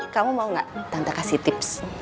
kamu mau gak tante kasih tips